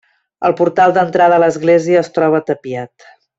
El portal d'entrada a l'església es troba tapiat.